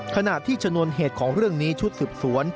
ขณะที่ชนวนเหตุของเรื่องนี้ชุดสืบสวน